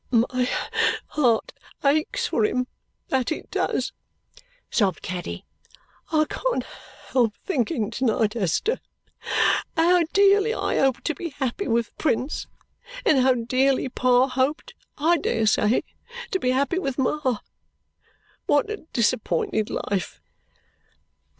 "My heart aches for him; that it does!" sobbed Caddy. "I can't help thinking to night, Esther, how dearly I hope to be happy with Prince, and how dearly Pa hoped, I dare say, to be happy with Ma. What a disappointed life!"